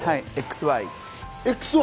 ＸＹ。